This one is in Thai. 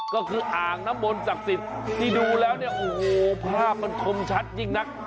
ก็คืออ่างน้ำมนต์ศักดิ์สิทธิ์ที่ดูแล้วเนี่ยโอ้โหภาพมันคมชัดยิ่งนัก